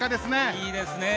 いいですね。